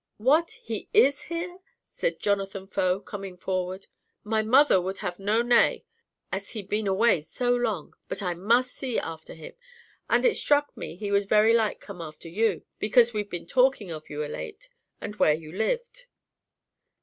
"What, he is here?" said Jonathan Faux, coming forward. "My mother would have no nay, as he'd been away so long, but I must see after him. And it struck me he was very like come after you, because we'd been talking of you o' late, and where you lived."